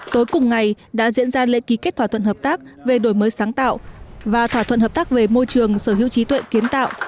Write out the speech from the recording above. tối cùng ngày đã diễn ra lễ ký kết thỏa thuận hợp tác về đổi mới sáng tạo và thỏa thuận hợp tác về môi trường sở hữu trí tuệ kiến tạo